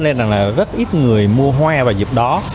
nên rất ít người mua hoa vào dịp đó